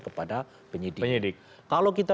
kepada penyidik kalau kita